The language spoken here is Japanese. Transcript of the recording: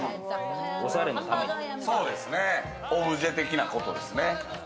オブジェ的なことですね。